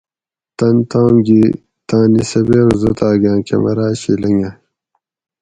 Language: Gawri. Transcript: تن تام گی تانی سبِق زوتاگاۤں کمراۤ شی لنگاۤئ